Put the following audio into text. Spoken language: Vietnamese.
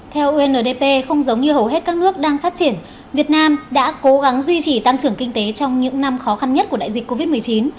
theo undp không giống như hầu hết các nước đang phát triển việt nam đã cố gắng duy trì tăng trưởng kinh tế trong những năm khó khăn nhất của đại dịch covid một mươi chín